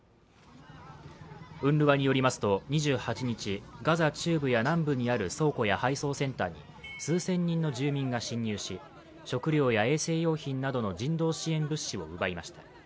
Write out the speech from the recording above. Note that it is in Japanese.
ＵＮＲＷＡによりますと２８日ガザ中部や南部にある倉庫や配送センターに数千人の住民が侵入し食料や衛生用品などの人道支援物資を奪いました。